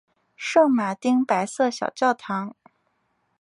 圣马丁白色小教堂。